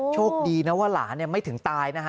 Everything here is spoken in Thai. โชคดีนะว่าหลานไม่ถึงตายนะฮะ